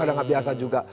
tidak biasa juga